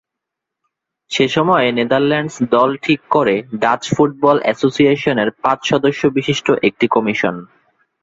সেসময় নেদারল্যান্ডস দল ঠিক করে ডাচ ফুটবল অ্যাসোসিয়েশনের পাঁচ সদস্য বিশিষ্ট একটি কমিশন।